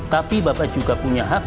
tapi bapak juga punya hak